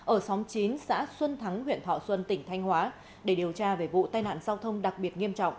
ở xóm chín xã xuân thắng huyện thọ xuân tỉnh thanh hóa để điều tra về vụ tai nạn giao thông đặc biệt nghiêm trọng